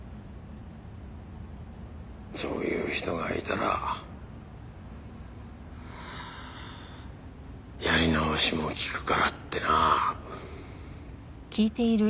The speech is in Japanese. そういう人がいたらやり直しも利くからってな。